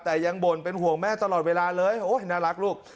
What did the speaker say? แต่ยังบ่นเป็นห่วงแม่ตลอดเวลาเลยโอ๊ยน่ารักลูก